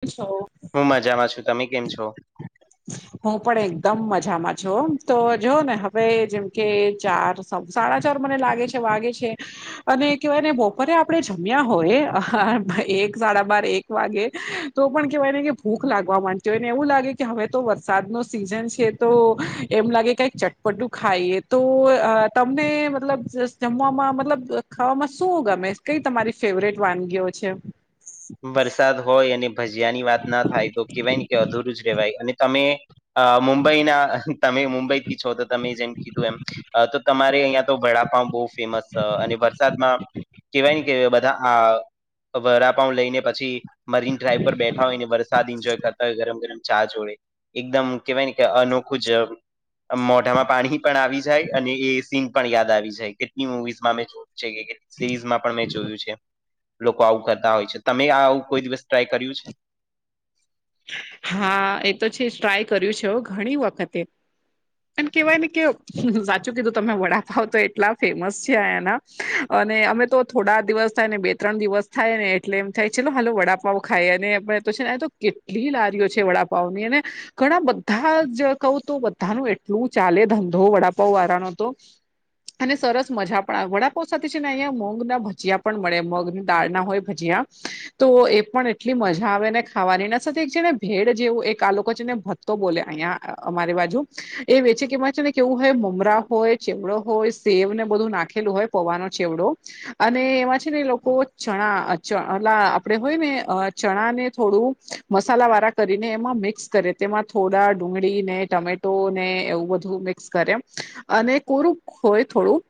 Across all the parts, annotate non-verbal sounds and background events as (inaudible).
કેમ છો? હું મજામાં છું, તમે કેમ છો? હું પણ એકદમ મજામાં છું. તો જોવો ને હવે જેમ કે ચાર સાડા ચાર મને લાગે છે વાગે છે. અને કહેવાય ને બોપોરે આપડે જમ્યા હોય એ એક સાડા બાર એક વાગે. તો પણ કેવાય ને કે ભૂખ લાગવા માંડતી હોય ને એવું લાગે કે હવે તો વરસાદનો સિઝન છે. તો એમ લાગે કાઈ ચટપટું ખાઈએ, તો તમને મતલબ જસ જમવામાં મતલબ ખવામાં શું ગમે? કઈ તમારી ફેવરેટ વાનગીઓ છે? વરસાદ હોય અને ભજીયા ની વાત ના થાય તો કેહેવાય ને કે અધુરું જ રેવાય અને તમે અ મુંબઈના તમે મુંબઈથી છો તો તમે જેમ કીધું એમ અ તો તમાં અહિયાં તો વડાપાવ બઉ ફેમસ સ અને વરસાદમાં કેવાય ને કે બધા હા તો વરાપાઉં લઈને પછી મરીન ડ્રાઈવ પર બેઠા હોઈને, વરસાદ ઈન્જોય કરતા હોય ગરમ ગરમ ચા જોડે. એકદમ કેવાય ને કે અનોખું જ આમ મોઢામાં પાણી પણ આવી જાય. અને એ સીન પણ યાદ આવી જાય કેટલી મુવીઝમાં મે જોયુ છે કે કે સિરીઝમાં પણ મેં જોયું છે. લોકો આવું કરતા હોય છે. તમે આ આવું કોઈ દિવસ ટ્રાય કર્યું છે. હા એ તો છે જ ટ્રાય કર્યું છે ઘણી વખતે અને કેવાય ને કે સાચું કીધું તમે વડાપાવ તો એટલા ફેમસ છે આયના. અને અમે તો થોડા દિવસ થાય ને બે ત્રણ દિવસ થાયને એટલે એમ થાય ચલો હાલો વડા બવ ખાય અને તો છે ને તો કેટલી લારીઓ છે વડાપાંઉની અને ઘણા બધા જ કહુ તો બધાનું એટલું ચાલે ધંધો વડાપાંઉ વાળાનો તો અને સરસ મજા પણ આવે વડાપાંઉ સાથે છે ને અહીંયા મગ ના ભજીયા પણ મળે મગ ની દાળના હોય ભજીયા તો એ પણ એટલી મજા આવેને ખ ખાવાની એના સાથે એક છે ને ભેડ જેવું એક આ લોકો છે ને ભત્તો બોલે અહીયા અઅમારી બાજુ એ વેચે કેમાં છે ને કેવું હોય મમરા હોય ચેવડો હોય સેવ ને બધું નાખેલું હોય. પોવાનો છે ચેવડો અને એમાં છે ને એ લોકો છણા ચ ઓલા આપડે હોય ને ચણા ને થોડું મસાલા વાળા કરીને એમાં મિક્સ કરે તેમાં થોડા ડુંગળી ને ટમે તો ને એવું બધું મિક્સ કરે એમ અને કોરુંક હોય થોડું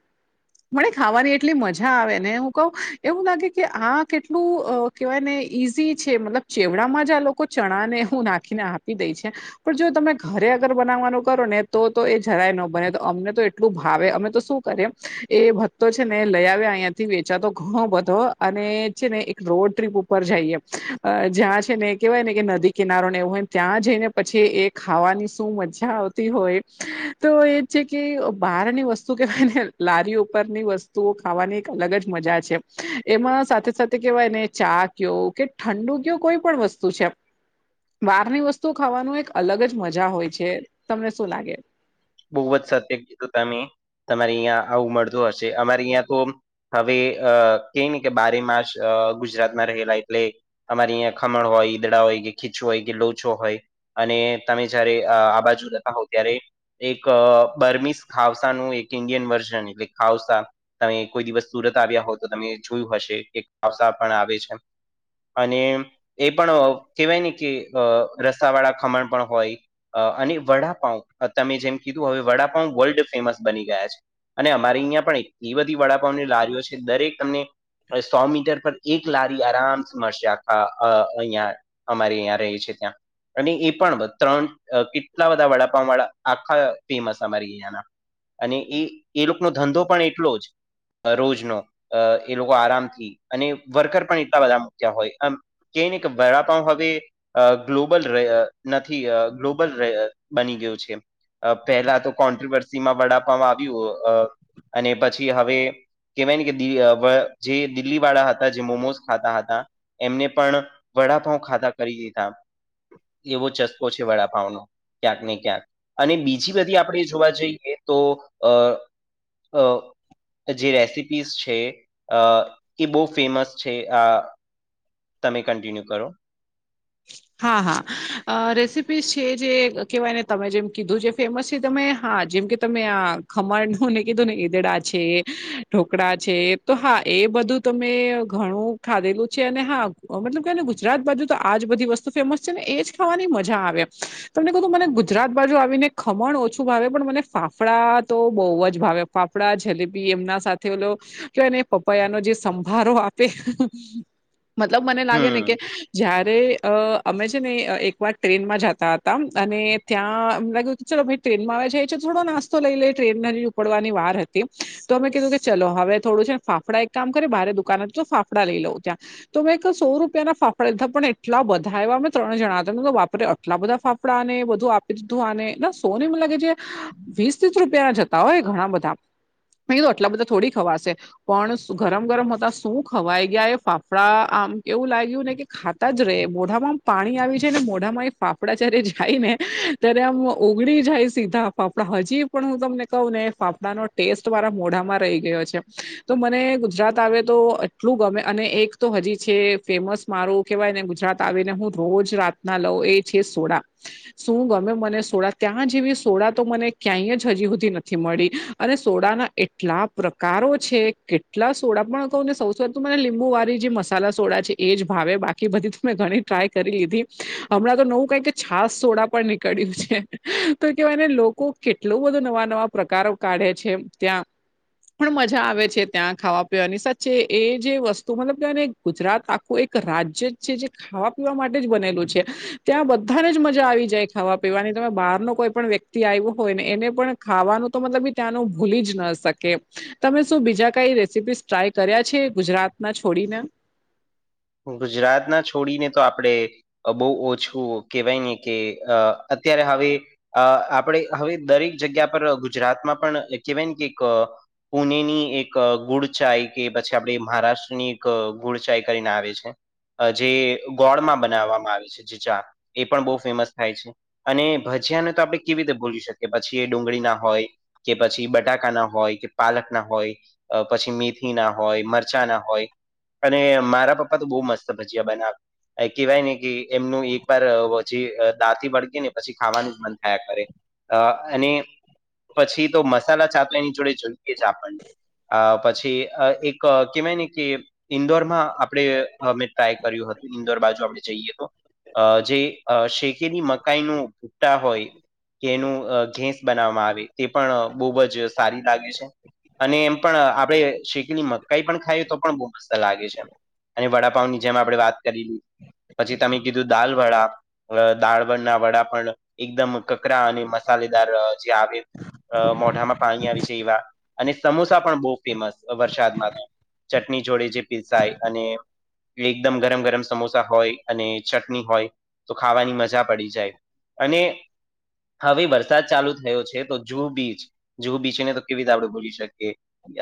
મળે ખાવાની એટલી મજા આવે ને હું કઉ એવું નથી કે આ કેટલું કહેવાય ને ઈઝી છે મતલબ ચેવડામાં જ આ લોકો ચણા ને હું નાખીને આપી દે છે. પણ જો તમે ઘરે અગર બનાવવાનું કરો ને તો તો એ જરાય ન બને તો અમને તો એટલું ભાવે અમે તો શું કરીએ એ ભત્તો છે ને લઈ આવ્યા અહિયા થી વેચવા તો ઘણો બધો અને એ છે ને એક રોડ ટ્રીપ ઉપ- પર જઈએ. જ્યાં છે ને કેહેવાય ને કે નદી કિનારો ને એવું હોય ત્યાં જઈને પછી એ ખાવાની શું મજા આવતી હોય તો એ જ છે કે બહારની વસ્તુ કેવાયને લારી ઉપરની વસ્તુ તો ખાવાની એક અલગ જ મજા છે એમાં સાથે સાથે કેવાય ને ચા કયો કે ઠંડુ કયો કોઈ પણ વસ્તુ છે. બહારની વસ્તુ ખાવાનું એક અલગ જ મજા હોય છે. તમને શું લાગે? બહુ જ સત્ય કીધું તમે તમારે અહિંયા આવું મળતું હશે અમાર અહિંયા તો હવે અ કયે ને કે બારે માસ અ ગુજરાતમાં રહેલા એટલે અમારી અહીંયા ખમણ હોય ઈદડા હોય કે ખીચું હોય કે લોચો હોય અને તમે જયારે આ બાજુ જતા હોવ ત્યારે એક બર્મિસ ખાઉસાનું એક ઇન્ડિયન વર્ઝન એટલે ખાઉસા તમે કોઈ દિવસ સુરત આવ્યા હોવ તો તમે જોયું હશે ખાઉસા પણ આવે છે. અને એ પણ કેહેવાય ને કે રસાવાળા ખમણ પણ હોય અને વડાપાંઉ તમે જેમ કીધું હવે વડાપાંઉ વર્લ્ડ ફેમસ બની ગયા છે. અને અમારી અહિંયા પણ એટલી બધી વડાપાંઉની લારીઓ છે દરેક તમને સો મીટર પર એક લારી આરામ મળશે આખા અ અહિયાં અમારી અયાં રહી છે ત્યાં અને એ પણ ત્રણ કેટલા બધા વડાપાંઉ વાળા આખા ફેમસ અમારા એરીયાના અને એ લોકોનો ધંધો પણ એટલો જ રોજ નો એ લોકો આરામથી અને વર્કર પણ એટલા બધા મુક્યા હોય આમ કઈ ને કે વડાપાંઉ હવે અ ગ્લોબલ રહ્યા નથી ગ્લોબલ બની ગયું છે. પહેલા તો કોન્ટ્રોવર્સીમાં વડાપવામાં આવ્યું અને પછી હવે કહેવાય ને કે જે દિલ્હી વાળા હતા જે મોમોસ ખાતા હતા એમને પણ વડાપાંઉ ખાતા કરી દીધા. એવો ચસ્કો છે વડાપાંઉ નો ક્યાંક ને ક્યાંક અને બીજી બધી આપણે જોવા જઈએ તો અ અ જે રેસીપીઝ છે અ એ બહુ ફેમસ છે આ તમે કન્ટિન્યુ કરો હા હાઅ રેસીપીસ છે જે કેહેવાય ને તમે જેમ કીધું છે. ફેમસ તમે હા જેમ કે તમે આ ખમણ નું ને કીધું ને ઈદડા છે. ઢોકળા છે તો હા એ બધું તમે ઘણું ખાધેલું છે અને હા મતલબ કે એને ગુજરાત બાજુ તો આજ બધી વસ્તુ ફેમસ છે ને એજ ખાવાની મજા આવે. તમને કહું મને ગુજરાત બાજુ આવીને ખમણ ઓછું ભાવે પણ મને ફાફડા તો બહુ જ ભાવે. ફાફડા જલેબી એમના સાથે ઓલો કેને પપૈયાનો જે સંભારો આપે. મતલબ મને લાગે હમ. ને કે જ્યાર રે અ અમે છે ને એક વાર ટ્રેનમાં જતા હતા અને ત્યાં મેં કીધુ ચલો ભઈ ટ્રેન માં આવે છેાય એ છે થોડો નાસ્તો લઈ લઈ ટ્રેન ને હજી ઉપડવાની વાર હતી તો અમે કીધું કે ચલો હવે થોડું છે ફાફડા એક કામ કરી બારે દુકાનથી તો ફાફડા લઈ લઉં ત્યાં તો મેં એક સો રૂપિયા ના ફાફડા લીધા પણ એટ આટલા બધા આયવા અમે ત્રણે જણા હતા ને તો બાપરે આટલા બધા ફાફડાને બધું આપી દીધું આને નસ તોને મને લાગે છે વીસ ત્રીસ રૂપિયા ના જ હતા એ ઘણા બધા. મે કીધુ આટલા બધા થોડી ખવાશે. પણ ગરમ ગરમ હોતા શું ખવાઈ ગયા એ ફાફડા આમ એવું લાગ્યું ને કે ખા તા જ રે મોઢામાં પાણી આવી જાય ને મોઢામાં એ ફાફડા જ્યારે જાય ને ત્યારે આમ ઓગળી જાય સીધા ફાફડા હજી પણ હું તમને કહું ને ફાફડાનો ટેસ્ટ મારા મોઢામાં રહી ગયો છે. એ તો મને ગુજરાત આવે તો એટલું ગમે અને એક તો હજી છે ફેમસ મારું કેવાય ને ગુજરાત આવીને હું રોજ રાતના લઉ એ છે સોડા. શું ગમે મને સોડા ત્યાં જેવી સોડા તો મને ક્યાંય જ હજી હુધી નથી મળી અને સોડાના એટલા પ્રકારો છે કેટલા સોડા પણ કહું ને સૌથી વધું મને લીંબુ વાળી જે મસાલા સોડા છે એજ ભાવે બા કી બધી મેં ઘણી ટ્રાય કરી લીધી હમણાં તો નવું કઈ કે છાસ સોડા પણ નીકળ્યું છે. તો કેવાયને લોકો કેટલુ બધુ નવા નવા પ્રકારો કાઢે છે ત્યાં. પણ મજા આવે છે ત્યાં ખાવા પીવાની સાચે એ જે વસ્તુ મતલબ કેને ગુજરાત આખું એક રાજ્ય જ છે જે ખાવા પીવા માટે જ બનેલું છે ત્યાં બધાને જ મજા આવી જાય ખાવા પીવાની તમે બહાર નું કોઈ પણ વ્યક તિ આવ્યું હોયને એને પણ ખાવાનું તો મતલબ બી ત્યાંનું ભૂલી જ ન શકે. તમે શું બીજા કઈ રેસીપીસ ટ્રાય કર્યા છે ગુજરાત ના છોડીને. ગુજરાત ના છોડીને તો આપડે અ બહુ ઓછું કેહેવાય ને કે અ અત્યારે હવે અ આપણેે હવે દરેક જગ્યા પર ગુજરાતમાં પણ કેહેવાય ને કે ક પુણે ની એક ગુડચાઈ કે પછી આપડે મહારાષ્ટ્રની એક ગુડચાઈ કરીને આવે છે. જે ગોળમાં બનાવવામાં આવે છે જે ચા એ પણ બહુ ફેમસ થાય છે. અને ભજીયાને તો આપણે કેવી રીતે ભૂલી શકીએ પછી એ ડુંગળી ના હોય કે પછી બટાકા ના હોય કે પાલક ના હોય. પછી મેથી ના હોય મરચાં ના હોય અને મારા પપ પા તો બઉ મત ભજીયા બનાવે. કહેવાય ને કે એમનું એક વાર પછી દાંતથી વળગે ને પછી ખાવાનું જ મન થયા કરે. અ અને પછી તો મસાલા ચા તો એની જોડે જોઈએ જ આપણને. અ પછી અ એક કેવાય ને કે ઈન્દોરમાં આપ ળે અમે ટ્રાય કર્યું હતું ઇન્દોર બાજુ આપણે જઈએ તો. અ જે શેકેલી મકાઈ નું ભૂટ્ટા હોય. કે એનું ઘેસ બનાવવામાં આવે તે પણ બવજ સારી લાગે છે. અને એમ પણ આપડે શેકેલી મકાઈ પણ ખાઈએ તો પણ બહુ મસ્ત લાગે છે. અને વડાપાવ ની જેમ આપણે વાત કરી પછી તમે કીધું દાલ વડા. દાળબણ ના વડા પણ એકદમ કકરા અને મસાલેદાર જે આવે. અ મોઢામાં પાણી આવી છે એવા અને સમોસા પણ બહુ ફેમસ વરસાદમાં તો. ચટણી જોડે જે પીસાય અને એકદમ ગરમ ગરમ સમોસા હોય અને ચટણી હોય તો ખાવાની મજા પડી જાય. અને હવે વરસાદ ચાલુ થયો છે તો જુહ બીચ જુહ બીચ ને તો કેવી રીતે આપડે ભૂલી શકીએ.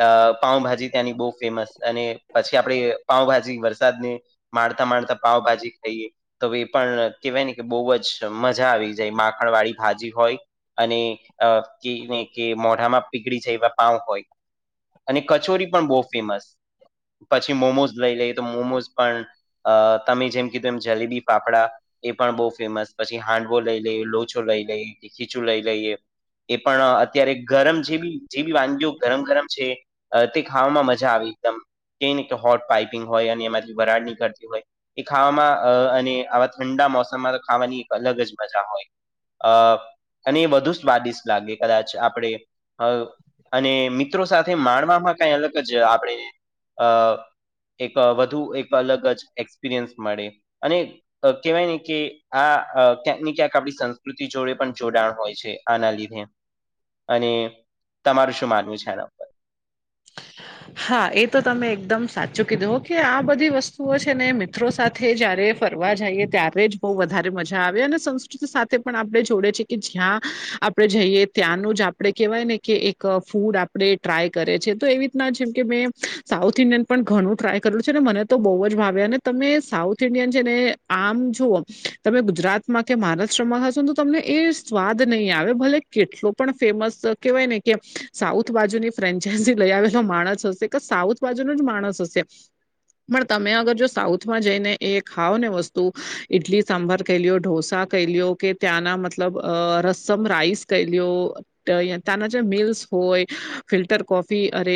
અ પાઉભાજી ત્યાંની બહુ ફેમસ અને પછી આપડે પાઉભાજી વરસાદને. મારતા મારતા પાવભાજી ખાઈએ તો એ પણ કેહેવાય ને કે બહુ જ. મજા આવી જાય માખણ વાળી ભાજી હોય અને કેને કે મોઢામાં. પીળ એવા પાાવ હોય અને કચોરી પણ બહુ ફેમસ પછી મોમોસ લઈ લઈ તો મોમોઝ પણ તમે જેમ કીધું એમ જલેબી ફાફડા એ પણ બહુ ફેમસ પછી હાંડવો લઈ લઈએ લોચો લઈ લઈએ ખીચું લઈ લઈએ. એ પણ અત્યારે ગરમ જેવી જેવી વાનગીઓ ગરમ ગરમ છે. તે ખાવામાં મજા આવી એકદમ અને હોટ પાઈપિંગ હોય અને એમાંથી વરાડ નીકળતી હોય એ ખાવામાં અને આવા ઠંડા મોસમમાં ખાવાની એક અલગ જ મજા હોય. અ અને વધુ સ્વાદિષ્ટ લાગે કદાચ આપણે. અ અને મિત્રો સાથે માણવામાં કઈ અલગ જ આપણે અ. એક વધુ એક અલગ જ એક્સપિરિયન્સ મળે અને. કહેવાય ને કે આ ક્યાંક ને ક્યાંક આપણી સંસ્કૃતિ જોડે પણ જોડાણ હોય છે. આના લીધે અને તમારું શું માનવું છે આ. હા એ તો તમે એકદમ સાચું કીધું કે આ બધી વસ્તુઓ છે ને મિત્રો સાથે. સાથે જયારે ફરવા જઈએ ત્યારે જ બહુ વધારે મજા આવે અને સંસ્કૃતિ સાથે પણ આપણે જોડે છે. કે જ્યાં આપણેે જઈએ ત્યાંનું જ આપણે કેહેવાય ને કે એક ફૂડ આપણે ટ્રાય કરે છે. તો એવી રીતના જેમ કે મેં સાઉથ ઇન્ડિયન પણ ઘણું ટ્રાય કર્યું છે ને મને તો બહુ જ ભાવે અને. તમે સાઉથ ઇન્ડિયન છે ને આમ જુઓ તમે ગુજરાતમાં કે મહારાષ્ટ્રમાં હશો ને તો તમને એ. સ્વાદ નહી આવે ભલે કેટલો પણ ફેમસ કેહેવાય ને કે સાઉથ બાજુની ફ્રેન્ચાઈઝ. લઈ આવેલો માણસ હશે કે સાઉથ બાજુનો જ માણસ હશે. પણ તમે અગર જો સાઉથમાં જઈને એ ખાવ ને વસ્તુ ઈડલી સાંભાર કેલીઓ ઢોસા ખાઈ લ્યો કે ત્યાંના મતલબ રસમ રાઈસ ખાઈ લ્યો. ત્યાના જે મિલ્સ હોય ફિલ્ટર કોફી અરે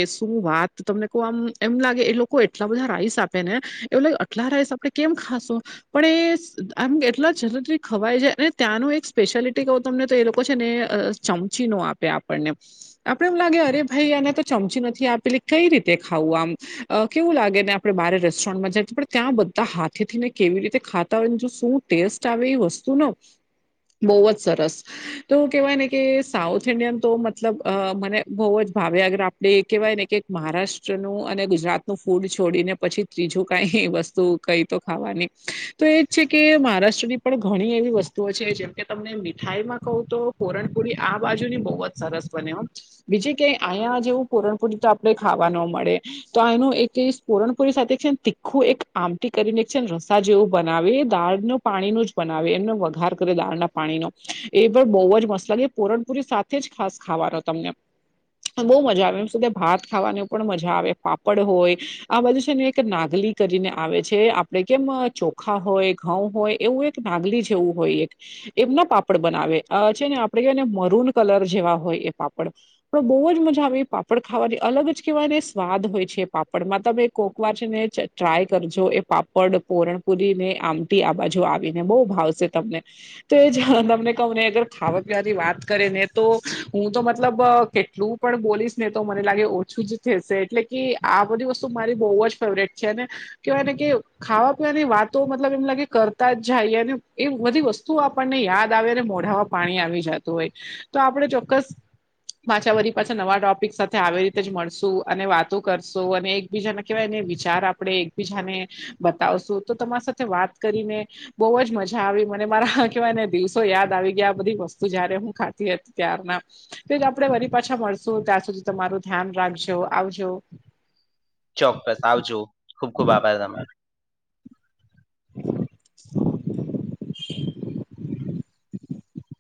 શું વાત તમને કે આમ એમ લાગે એ લોકો એટલા બધા રાઈસ આપે ને એવું લાગે આટલા એટલા રાઈશ આપડે કેમ ખાશું? પણ એ આ એટલા જથી ખવાય જાય અને ત્યાંનું એક સ્પેશિયાલિટી કહું તમને તો એ લોકો છે ને ચમચી નો આપે આપણને આપડે એમ લાગે અરે ભાઈ એને તો ચમચી નથી આપેલી કઈ રીતે ખાવું આમ કેવું લાગે ને આપણે બહાર રેસ્ટોરન્ટમાં જાય. ત્યાં બધા હાથે થી ને કેવી રીતે ખાતા હોય ને જો શું ટેસ્ટ આવે એ વસ્તુનો બહુ જ સરસ. તો કેવાય ને કે સાઉથ ઇન્ડિયન તો મતલબ મને બહુ જ ભાવે આગર એટલે એ કહેવાય ને કે મહારાષ્ટ્ર નું અને ગુજરાત નું ફૂડ છોડીને પછી ત્રીજું કઈ વસ્તુ કઈ તો ખાવાની તો એજ છે કે મહારાષ્ટ્રની પણ ઘણી એવી વસ્તુઓ છે જેમ કે તમને મીઠાઈ માં કહું તો પુરણપોરી આ બાજુ ની બહુ જ સરસ બને. બીજે ક અહીંયા જેવું પુરણપુરી તો આપણા જેવી ખાવા ન મળે. તો આનું એક પૂરણપુરી સાથે એક છે તીખું એક આમટી કરીને એક છે રસા જેવું બનાવી દાળ પાણી ન જ બનાવે એમને વઘાર કરે દાળના પાણીનો એ પણ બહુ જ મસાલા પુરણપુરી સાથે થી ખાસ ખાવાનો તમને બહુઉ મજા આવે. સુધી ભાત ખાવાની પણ મજા આવે પાપડ હોય. આ બધું છે ને એક નાગલી કરીને આવે છે આપડે કેમ ચોખા હોય ઘઉં હોય એવું એક. ભાગલી જેવું હોય એક એમના પાપડ બનાવે છે ને આપડે જોય ને મરૂન કલર જેવા હોય એ પાપડ તો બહુ જ મજા આવી એ પાપ પાપડ ખાવાની અલગ જ કહેવાયને સ્વાદ હોય છે પાપડમાં તમે કોકવાર છે ને ટ્રાય કરજો એ પાપડ પુરણપુરી ને આમટી આ બાજુ આવીને બહુ ભાવશે તમને તો જ તમને કહું ને અગર ખાવા પીવાની વાત કરે ને તો હું તો મતલબ કેટલું પણ પોલીસ ને તો મને લાગે ઓછું જ થશે એટલે કે આ બધી વસ્તુ મારી બહુ જ ફેવરેટ છે ને કવા એ કેવુ. ખાવા પીવાની વાતો મતલબ એમ લાગે કરતા જાય અને એ બધી વસ્તુઓ આપણને યાદ આવે અને મોઢામાં પાણી આવી જતું હોય તો આપણે ચોક્કસ પાછા ફરી પાછા નવા ટોપિક સાથે આવી રીતે જ મળશું અને વાતો કરશું અને એકબીજાના કેવાયને વિચાર આપણે એકબીજાને બતાવશું તો તમારી સાથે વાત કરીને બહુ જ મજા આવી મને, મારા હા કહેવાયને દિવસો યાદ આવી ગયા આ બધી વસ્તુ જયારે હું ખાતી હતી ત્યારના. તો આપડણે વરી પાછા મળશો, ત્યાં સુધી તમારું ધ્યાન રાખજો આવજો. ચોક્કસ આવજો. ખુબ ખુબ આભાર તમારો. (inaudible) (unintelligible)